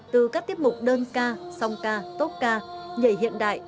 từ các tiết mục đơn ca song ca tốt ca nhảy hiện đại